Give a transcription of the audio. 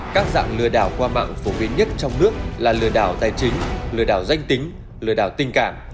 các dạng lừa đảo qua mạng phổ biến nhất trong nước là lừa đảo tài chính lừa đảo danh tính lừa đảo tình cảm